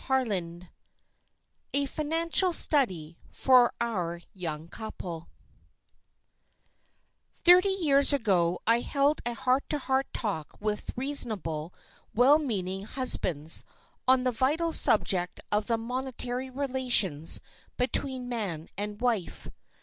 CHAPTER XL A FINANCIAL STUDY FOR OUR YOUNG MARRIED COUPLE THIRTY years ago I held a heart to heart talk with reasonable, well meaning husbands on the vital subject of the monetary relations between man and wife.